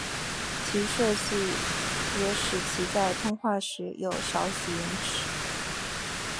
其设计也使其在通话时有少许延迟。